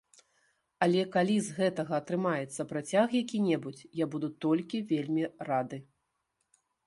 Але калі з гэтага атрымаецца працяг які-небудзь, я буду толькі вельмі рады.